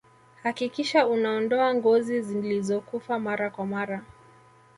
hakikisha unaondoa ngozi zilizokufa mara kwa mara